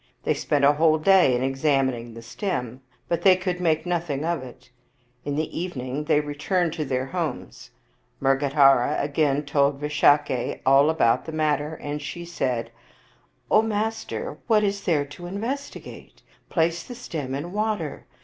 They spent a whole day in examining the stem, but they could make nothing of it. In the evening they returned to their homes. Mrgadhara again told Visakha all about the mat ter, and she said, " O master, what is there to investi gate? Place the stem in water.